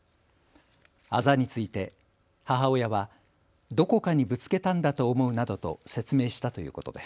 あざについて母親はどこかにぶつけたんだと思うなどと説明したということです。